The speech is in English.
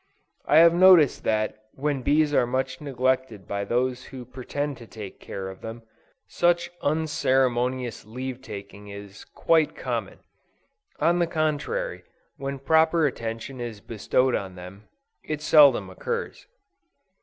I have noticed that when bees are much neglected by those who pretend to take care of them, such unceremonious leave taking is quite common; on the contrary, when proper attention is bestowed on them, it seldom occurs.